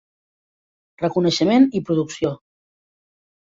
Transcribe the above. Reconeixement i producció.